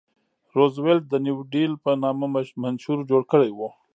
روزولټ د نیو ډیل په نامه منشور جوړ کړی و.